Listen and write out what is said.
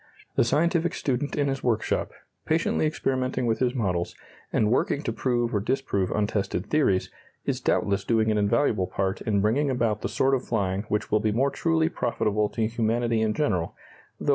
The scientific student in his workshop, patiently experimenting with his models, and working to prove or disprove untested theories, is doubtless doing an invaluable part in bringing about the sort of flying which will be more truly profitable to humanity in general, though less spectacular.